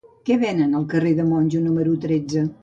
Què venen al carrer de Monjo número tretze?